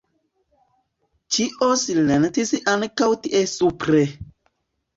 Ĉio silentis ankaŭ tie supre.